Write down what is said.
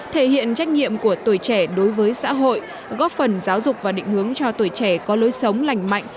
thể hiện trách nhiệm của tuổi trẻ đối với xã hội góp phần giáo dục và định hướng cho tuổi trẻ có lối sống lành mạnh